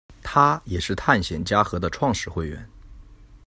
他也是探险家和的创始会员。